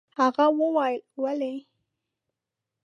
هغه وويل: ولې؟